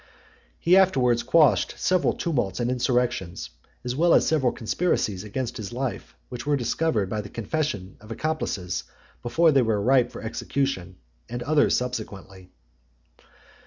(83) XIX. He afterwards quashed several tumults and insurrections, as well as several conspiracies against his life, which were discovered, by the confession of accomplices, before they were ripe for execution; and others subsequently.